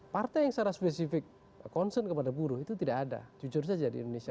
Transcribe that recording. partai yang secara spesifik concern kepada buruh itu tidak ada jujur saja di indonesia